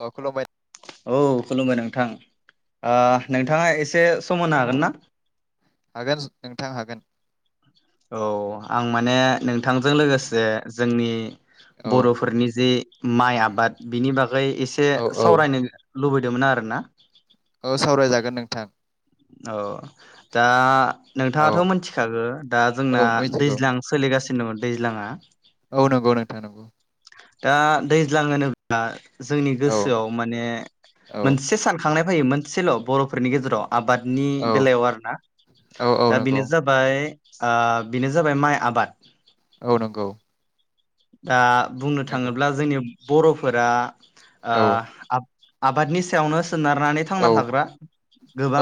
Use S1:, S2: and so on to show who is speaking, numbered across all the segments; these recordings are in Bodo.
S1: औ खलबाइ नो
S2: औ खुलुमबाय नोंथां।
S1: उम,
S2: नोंथाङा एसे सम होनो हागोन ना?
S1: हागोन नोंथां हागोन
S2: औ आं माने नोंथांजों लोगोसे जोंनि
S1: औ
S2: बर'फोरनि जे माइ आबाद बिनि बागै एसे
S1: औ औ
S2: सावरायनो लुबैदोंमोन आरो ना।
S1: औ सावरायजागोन नोंथां।
S2: औ दा
S1: औ
S2: नोंथाङाथ' मोनथिखागो दा जोंना
S1: औ मिथिगौ
S2: दैज्लां सोलिगासिनो न दैज्लाङा
S1: औ नंगौ नों थानांगौ।
S2: दा दैज्लां होनोब्ला जोंनि
S1: औ
S2: गोसोआव माने
S1: औ
S2: मोनसे सानखांनाय फयो मोनसेल' बर'फोरनि गेजेराव। आबादनि
S1: औ
S2: बेलायाव आरोना
S1: औ औ
S2: दा
S1: नंगौ
S2: बेनो जाबाय ओ बेनो जाबाय माइ आबाद।
S1: औ नंगौ।
S2: दा बुंनो
S1: नंगौ
S2: थाङोब्ला जोंनि बर'फोरा आ
S1: औ
S2: आ आबादनि सायावनो सोनारनानै थांना
S1: औ
S2: थाग्रा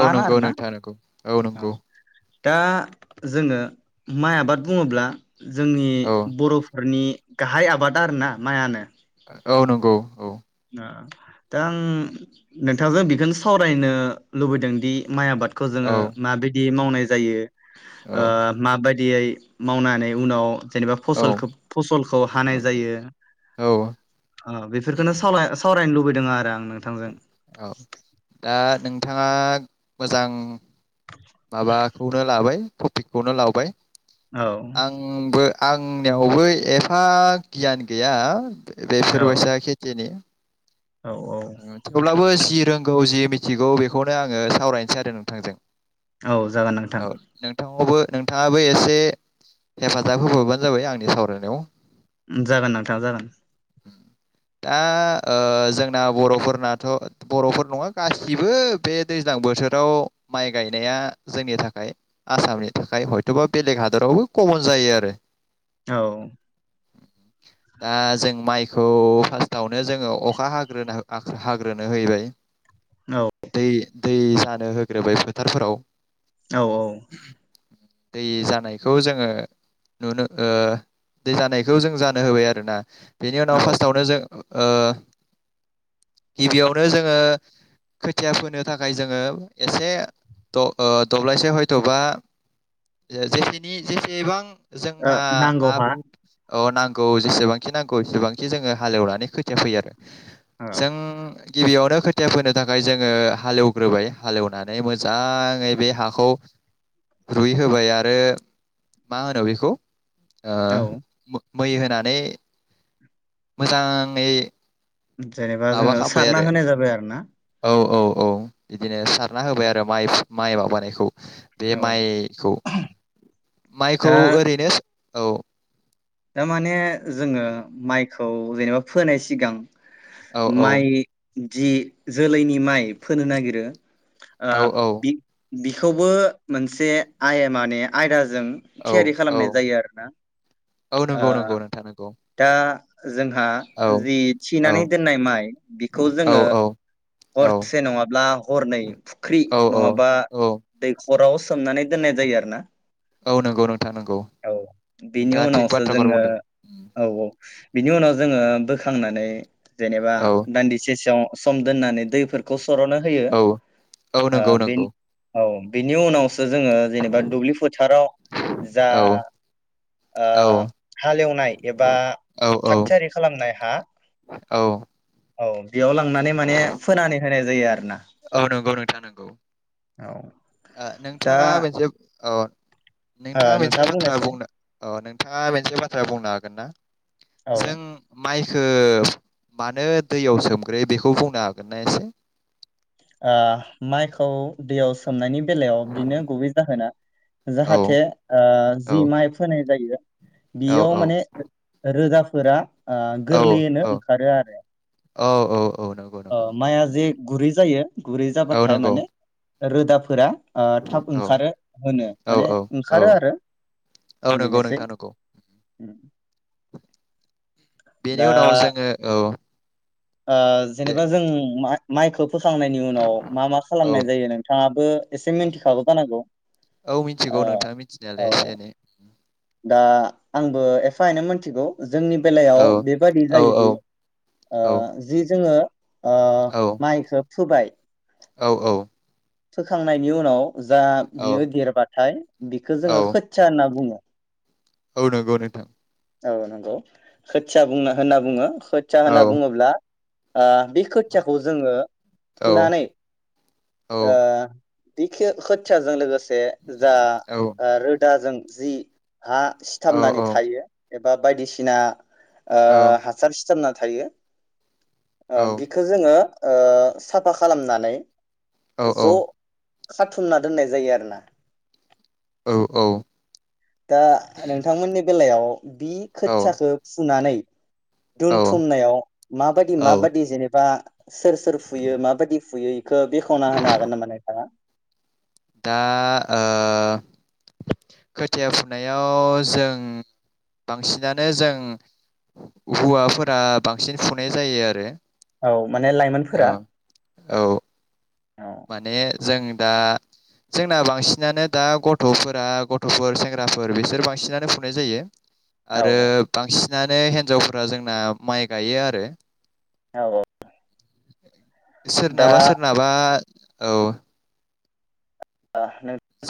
S1: औ नंगौ
S2: आरो ना।
S1: नोंथां नंगौ औ नंगौ
S2: दा जोङो माइ आबाद बुङोब्ला जोंनि
S1: औ
S2: बर'फोरनि गाहाय आबादा आरो ना माइआनो।
S1: औ नंगौ औ
S2: दा आं नोंथांजों बेखौनो सावरायनो लुबैदों दि माइ आबाद खौ जों
S1: औ
S2: माबिदि बि मावनाय जायो। ओ
S1: औ
S2: माबाय बिदियै मावनानै उनाव जेनेबा फसलखो-फसलखौ हानाय जायो
S1: औ
S2: ओ बेफोर [unintelligible] सावरायनो लुबैदों आरो आं नोंथांजों।
S1: औ दा नोंथाङा मोजां। माबाखौनो लाबाय। थपिकखौनो लाबाय।
S2: औ
S1: आंबो। आंनियावबो एफा गियान गैया। बेफोरबायसा खेथिनि
S2: औ
S1: थेवब्लाबो जि रों गौ जि मिथिगौ बेखौनो आङो सावरायनोसै आरो नोंथांजों।
S2: औ जागोन नोंथां
S1: औ नोंथां आवबो नोंथाङाबो एसे हेफाजाब होबोवबानो जाबाय आंनि सावरायनायाव
S2: जागोन नोंथां जागोन
S1: दा ओ जों ना बर'फोरनाथ' बर'फोर नङा गासिबो बे दैज्लां बोथोराव माइ गायनाया जोंनि थाखाय आसामनि थाखाय हयथ'बा बेलेग हादरावबो कमन जायो आरो
S2: औ
S1: दा जों माइखौ फार्स्टावनो जोङो अखा हाग होग्रोना हा हाग्रोनो होयोलै
S2: औ
S1: दै दै हानो होग्रोबाय फोथारफोराव
S2: औ औ
S1: दै जानायखौ जोङो नुनो ओ दै जानायखौ जों जानो होबाय आरोना बेनि उनाव
S2: ओ
S1: फार्स्टआवनो जों ओ गिबियावनो जोङो खोथिया फोनो थाखाय जोङो एसे द ओ दब्लायसे हयथ'बा जे जेसेनि जेसेबां जोंहा हा
S2: नांगौहा
S1: हु अ नांगौ जेसेबांखि नांगौ एसेबांखि जोङो हालौनानै खोथिया फैयो आरो
S2: औ
S1: जों गिबियावनो खोथिया फोनो थाखाय जोङो हालेवग्रोबाय हालेवनानै मोजाङै बे हाखौ रुइ होबाय आरो मा होनो बेखौ
S2: औ
S1: ओ मै होनानै मोजाङै
S2: जेनेबा
S1: माबा
S2: जोङो
S1: खालामबाय
S2: सारना
S1: आरो
S2: होनाय जाबाय आरो ना
S1: औ औ औ बिदिनो सारना होबाय आर दा माइ फु माइ माबानायखौ बे
S2: औ
S1: माइखौ माइखौ ओरैनो औ
S2: दा माने जोङो माइक खौ जेनेबा फोनाय सिगां
S1: औ औ
S2: माइ जि जोलैनि माइ फोनो नागिरो आ
S1: औ
S2: बि बिखौबो मोनसे आइया माने आयदा जों
S1: औ
S2: थियारि
S1: औ
S2: खालामनाय जायो आरोना
S1: औ नंगौ
S2: ओ
S1: नंगौ नोंथां नंगौ।
S2: दा जोंहा
S1: औ
S2: जि
S1: औ
S2: थिनानै दोननाय माइ बेखौ
S1: औ
S2: जोङो
S1: औ
S2: हरसे नङाब्ला हरनै फुख्रि
S1: औ
S2: नङाबा
S1: औ
S2: दै अराव सोमनानै दोननाय जायो आरो ना।
S1: औ नंगौ नोंथां नंगौ।
S2: बिनि
S1: नोंथाङा थिग
S2: उनावसो
S1: बाथ
S2: जोङो औ औ बिनि उनाव जोङो बोखांनानै जेनेबा
S1: औ
S2: दान्दिसे सेयाव सम दोननानै दैफोरखौ सर'नो होयो।
S1: औ औ
S2: ओ
S1: नंगौ
S2: बिन
S1: नंगौ
S2: औ बिनि उनाव जोङो जेनेबा दुब्लि फोथाराव जा
S1: औ
S2: ओ
S1: औ
S2: हालेवनाय एबा
S1: औ औ
S2: थागथियारि खालामनाय हा।
S1: औ
S2: औ बेयाव लांनानै माने फोनानै होनाय जायो आरो ना।
S1: औ नंगौ नोंथां नंगौ।
S2: औ
S1: ओ
S2: दा
S1: नोंथाङा मोनसे औ आ
S2: ओ
S1: नोंथाङा मोनसे बाथ्रा
S2: बुंनायसै
S1: बुंनो अ' नों थाङा मोनसे बाथ्रा बुंनो हागोन ना?
S2: औ
S1: जों माइ सोफ मानो दैयाव सोमग्रोयो बेखौ बुंनो हागोनना एसे?
S2: ओ माइखौ दैयाव सोमनायनि बेलायाव बिनो गुबै जाहोना
S1: औ
S2: जाहाथे ओ
S1: औ
S2: जि माइ फोनाय जायो।
S1: औ
S2: बियाव माने रोदा फोरा ओ
S1: औ
S2: गोरलैयैनो
S1: औ
S2: ओंखारो आरो।
S1: औ औ औ नंगौ नंगौ
S2: अ' माइआ जे गुरै जायो। गुरै
S1: औ
S2: जाबाथाय
S1: नंगौ
S2: माने रोदाफोरा ओ थाब
S1: औ
S2: ओंखारो होनो
S1: औ
S2: माने
S1: औ औ
S2: ओंखारो आरो
S1: औ नंगौ
S2: बेनोसै
S1: नोंथां नंगौ
S2: उम
S1: बेनि
S2: दा
S1: उनाव जोङो औ
S2: ओ
S1: दे
S2: जेनेबा जों माहा माइ खोब फोखांनायनि उनाव मा मा
S1: औ
S2: खालामनाय जायो नोंथाङाबो एसे मिन्थिखागौ जानांगौ
S1: औ मिथिगौ
S2: ओ
S1: नोंथां मिथिनायालाय
S2: औ।
S1: एसे एनै
S2: आ आंबो एफा एनै मोनथिगौ। जोंनि बेलायाव
S1: औ
S2: बेबादि
S1: औ औ
S2: जायोदि ओ
S1: औ
S2: जि जोङो ओ
S1: औ
S2: माइखो फोबाय
S1: औ
S2: फोखांनायनि उनाव जा
S1: औ
S2: बियो देरबाथाय बिखौ जोंङो खोया होनना बुङो।
S1: ओ नंगौ नोंथां।
S2: औ नंगौ खोथिया बुंना होनना बुंङो। खोथिया
S1: औ
S2: होनना बुङोब्ला ओ बे खोथियाखौ जोंङो
S1: औ
S2: फुनानै
S1: औ
S2: ओ बे खोथियाजों लोगोसे बे जा
S1: औ
S2: रोदा जों जि हा सिथामनानै
S1: औ
S2: थायो। एबा बायदिसिना ओ
S1: औ
S2: हासार सिथाबना थायो। ओ
S1: औ
S2: बिखौ जोंङो ओ साफा खालामनानै
S1: औ
S2: ज' खाथुमना दोननाय जायो आरोना। दा नोंथांमोननि बेलायाव बि
S1: औ
S2: खोथियाखौ फुनानै
S1: औ औ
S2: दोनथुमनायाव माबायदि माबादि जेनेबा सोर सोर फुयो माबायदि फुयो बेखौ बे मखना होनो हागोन नामा नोंथाङा।
S1: दा ओ खोथिया फुनायाव जों बांसिनानो जों हौवाफोरा बांसिन फुनाय जायो आरो।
S2: औ माने लाइमोनफोरा।
S1: औ
S2: औ
S1: माने जों दा जोंना बांसिनानो दा गथ'फोरा गथ'फोर सेंग्राफोर बिसोर बांसिनानो फुनाय जायो।
S2: औ
S1: आरो बांसिन बिनानै हिन्जावफोरा जोंना माइ गायो आरो।
S2: औ औ
S1: [inaudible]
S2: दा
S1: सोरनाबा सोरनाबा औ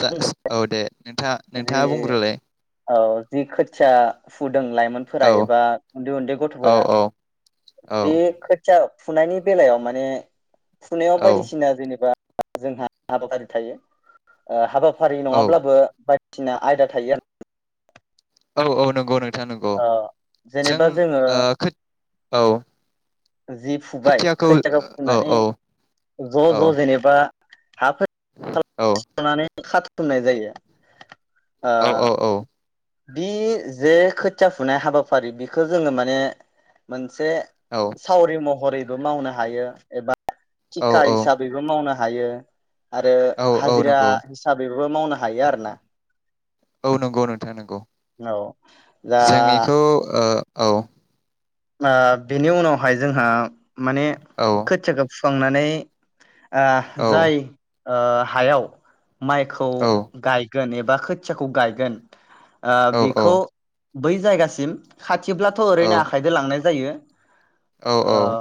S1: जा औ दे नोंथाङा नोंथाङा बुंग्रोलाय
S2: [unintelligible] खोथिया फुदों लाइमोनफोरा
S1: औ
S2: एबा उन्दै उन्दै
S1: औ
S2: गथ'फोरा
S1: औ औ
S2: बे खोथिया फुनायनि बेलायाव माने फुनायाव
S1: औ
S2: बायदिसिना जेनेबा जोंहा हाबाफारि थायो। आ हाबाफारि हाबाफारि नङाब्लाबो बाय बायदिसिना आयदा थायो आरो।
S1: औ औ नंगौ नों थां नंगौ
S2: आरो ओ
S1: जों
S2: जेनेबा जोङो
S1: औ
S2: जि फुबाय खोथियाखौ
S1: औ
S2: फुनानै
S1: औ
S2: ज'
S1: औ
S2: ज' जेनेबा हाफो
S1: औ
S2: खाथुमनाय जायो। आ
S1: औ औ
S2: बि जे खोथिया फुनाय हाबाफारि बेखौ जोङो माने मोन मोनसे सावरि महरैबो मावनो हायो एबा
S1: औ
S2: थिखा हिसाबैबो मावनो हायो। हायो आरो।
S1: औ औ
S2: हाजिरा
S1: नंगौ
S2: हिसाबैबो मावनो हायो आरो ना।
S1: औ नंगौ नोंथाङा नंगौ
S2: औ दा
S1: औ
S2: बेनि उनावहाय जोंहा माने
S1: औ
S2: खोथियाखौ फुखांनानै
S1: औ
S2: जाय हायाव माइखौ
S1: औ
S2: गाय गोन एबा खोथियाखौ गायगोन
S1: औ
S2: बेखौ बै जायगासिम खा थिब्लाथ
S1: औ
S2: ओरैनो लांनाय जायो
S1: औ औ।
S2: ओ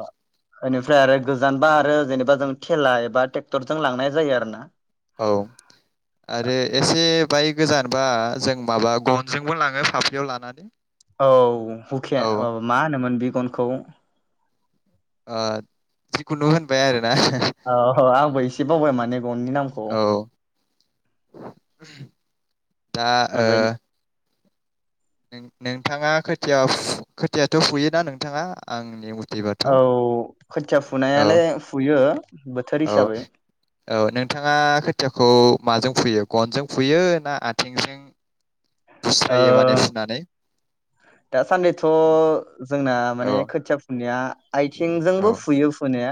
S2: बेनिफ्राय आरो गोजानबा आरो जेनेबा जों थेला एबा टेक्टरजों लांनाय जायो आरो ना।
S1: औ आरो एसे बाइक गोजानबा जों माबा गनजोंबो लाङो फाफ्लियाव लानानै
S2: औ। हुखे
S1: औ
S2: ओ मा होनोमोन बे गनखौ
S1: आ जिखुनु होनबाय आरो
S2: औ औ आंबो एसे बावबाय माने गननि नामखौ
S1: औ दा ओ
S2: ओमफ्राय
S1: नोंथाङा खोथिया खोथियाथ' फुयोना नोंथाङा आंनि मथेबाथ'
S2: औ खोथिया
S1: औ
S2: फुनायालाय फुयो बोथोर
S1: औ
S2: हिसाबै
S1: औ नोंथाङा खोथियाखौ माजों फुयो गनजों फुयो ना आथिंजों
S2: ओ
S1: बुस्रायो माने
S2: दासान्दिथ' जोंना आ
S1: औ
S2: माने खोथिया फुनाया आइथिंजोंबो
S1: औ
S2: फुयो फु नाया।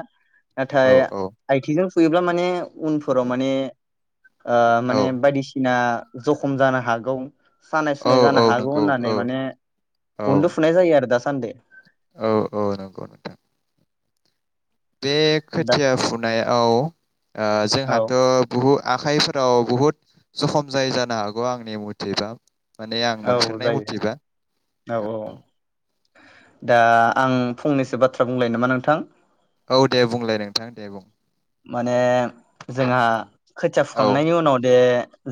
S1: औ
S2: नाथाय
S1: औ
S2: आइथिजों फुयोब्ला माने उनफोराव माने ओ
S1: औ
S2: माने बायदिसिना जखम जानो हागौ सानाय
S1: औ
S2: सुनाय
S1: औ
S2: जानो हागौ
S1: नंगौ
S2: होननानै
S1: औ
S2: माने
S1: औ
S2: खनदु फुनाय जायो दासान्दि।
S1: औ औ नंगौ नोंथां। बे
S2: दा
S1: खोथिया फुनाया औ। ओ
S2: औ
S1: जोंहाथ' बहुद आखाइफोराव बुहुद जखम जायो जानो हागौ आंनि मथेबा। माने आं
S2: औ
S1: मोनफेरनाय
S2: जायो
S1: मथेबा
S2: औ औ दा आं फंनैसो बाथ्रा बुंलायनो नामा? नोंथां
S1: औ दे बुंलाय नोंथां दे बुं।
S2: माने जोंहा खोथिया
S1: औ
S2: फुखांनायनि उनावदे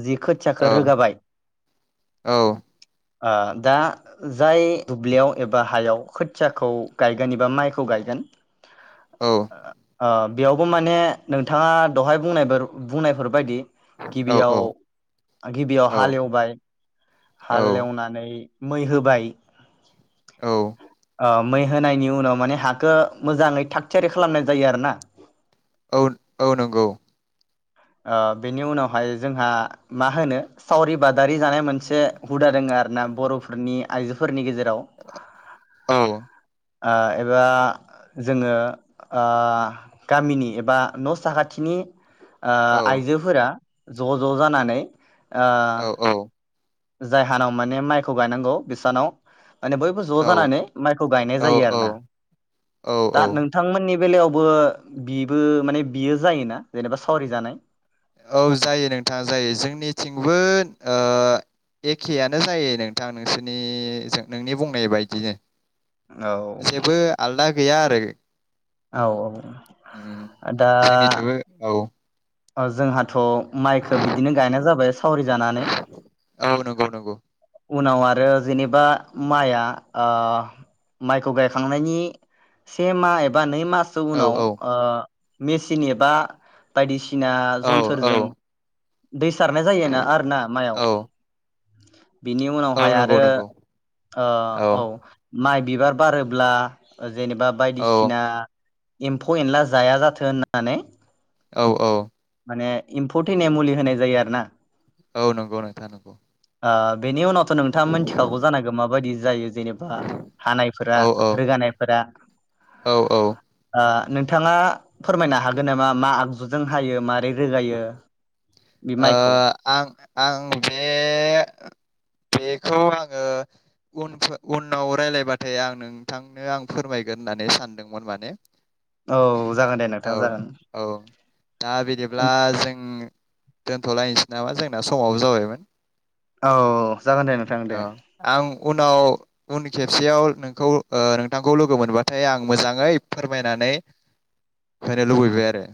S2: जि खोथियाखौ
S1: औ
S2: रोगाबाय
S1: औ
S2: ओ दा जाय दुब्लियाव एबा हायाव खोथियाखौ गायगोन एबा माइखौ गायगोन
S1: औ
S2: ओ बेयावबो माइ माने नोंथाङा दहाय बुंनायफोर बुंनायफोर बायदि
S1: औ औ
S2: गिबियाव गिबियाव हाल एवबाय
S1: औ
S2: हाल एवनानै मै होबाय
S1: औ
S2: ओ मै होनायनि उनाव माने हाखौ मोजाङै थाग थियारि खालामनाय जायो आरो ना।
S1: औ औ नंगौ
S2: ओ बेनि उनावहाय जोंहा मा होनो सावरि बादारि जानाय मोनसे मोनसे हुदा दङो आ रोना बर'फोरनि आइजोफोरनि गेजेराव
S1: औ
S2: ओ एबा जोङो ओ गामिनि एबा न' साखाथिनि ओ
S1: औ औ
S2: आइजोफोरा ज' ज' जानानै ओ
S1: औ औ
S2: जायहानाव माने माइखौ गायनांगौ बिसानाव माने बयबो ज' जानानै माइखौ गायनाय
S1: औ
S2: जायो आरो ना।
S1: औ औ
S2: दा
S1: औ
S2: नोंथांमोननि बेलायावबो बिबो माने बियो जायोना जेनेबा सावरायजानाय।
S1: औ जायो नोंथाङा जायो जोंनिथिंबो ओ एखेयानो जायो नोंथां नोंसोरनिजों नोंनि बुंनाय बायदिनो।
S2: औ
S1: जेबो आलदा गैया आरो
S2: औ ओ
S1: उम
S2: दा
S1: जोंनिथिंबो औ
S2: ओ जोंहाथ' माइखो बिदिनो गायनाय जाबाय सावरि जानानै।
S1: औ नंगौ नंगौ
S2: उनाव आरो जेनेबा माइआ ओ माइखौ गायखांनायनि से मा एबा नै मासो
S1: औ
S2: उनाव ओ मेसिन एबा बायदिसिना ना
S1: औ
S2: जन्थोरजों
S1: औ
S2: दै सारनाय जायोना आर ना माइयाव।
S1: औ
S2: बिनि
S1: औ
S2: उनावहाय आरो
S1: नंगौ नंगौ
S2: ओ औ माइ बिबार बारोब्ला ओ जेनेबा
S1: औ
S2: बायदिसिना एम्फौ एनला जाया जाथों होननानै
S1: औ औ
S2: माने एम्फौ थैनाय मुलि होनाय जायो आरो ना
S1: औ नंगौ नोंथा नंगौ
S2: ओ बेनि उनाव थ' नोंथांङा मिथिखागौ जानांगौ माबायदि जायो जेनेबा हानायफोरा
S1: औ
S2: रोगानायफोरा
S1: औ औ
S2: ओ नोंथाङा फोरमायनो हागोन नामा मा आगजुजों हायो मा नै रोगायो बे
S1: ओ
S2: माइखौ
S1: आं आं बे बेखौ आंङो उनफो उनाव रायजलायबाथाय आं नोंथांनो आं फोरमायगोन होननानै सानदोंमोन माने
S2: औ जागोन दे नोंथां
S1: औ
S2: जागोन
S1: औ दा बिदिब्ला जों दोनथ'लायनोसै नामा जोंना समाबो जाबायमोन।
S2: औ जागोन दे नोंथां दे
S1: औ आं उनाव उन खेबसेयाव नोंखौ नोंथांखौ लोगो मोनबाथाय आं मोजांङै फोरमायनानै होनो लुबैबाय आरो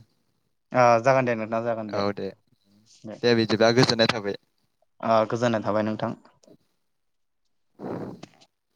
S2: ओ जागोन दे नोंथा जागोन दे उम
S1: दे बिदिब्ला गोजोननाय थाबाय
S2: ओ गोजोननाय थाबाय नोंथां